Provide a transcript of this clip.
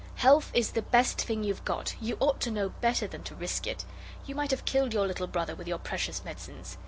Health is the best thing you've got; you ought to know better than to risk it. You might have killed your little brother with your precious medicines.